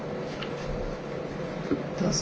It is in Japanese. どうぞ。